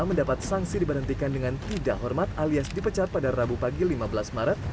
mendapat sanksi diberhentikan dengan tidak hormat alias dipecat pada rabu pagi lima belas maret